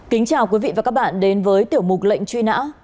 kính chào quý vị và các bạn đến với tiểu mục lệnh truy nã